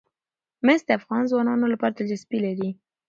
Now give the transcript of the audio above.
مس د افغان ځوانانو لپاره دلچسپي لري.